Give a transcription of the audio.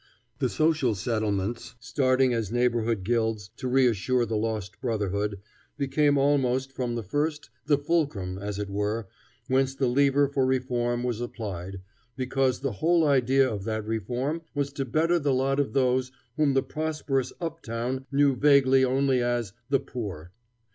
The social settlements, starting as neighborhood guilds to reassert the lost brotherhood, became almost from the first the fulcrum, as it were, whence the lever for reform was applied, because the whole idea of that reform was to better the lot of those whom the prosperous up town knew vaguely only as "the poor."